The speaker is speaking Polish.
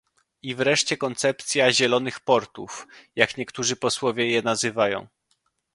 I wreszcie, koncepcja "zielonych portów", jak niektórzy posłowie je nazywają